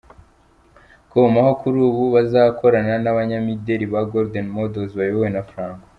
com aho kuri ubu bazakorana n’abanyamideri ba Golden Models bayobowe na Franco.